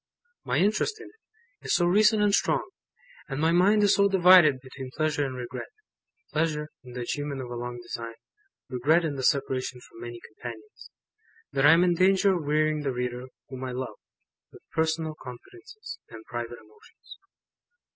My interest in it, is so recent and strong; and my mind is so divided between pleasure and regret pleasure in the achievement of a long design, regret in the separation from many companions that I am in danger of wearying the reader whom I love, with personal confidences, and private emotions.